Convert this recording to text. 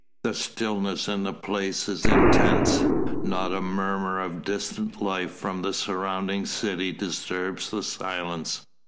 The stillness in the place is intense. Not a murmur of distant life from the surrounding city disturbs the silence.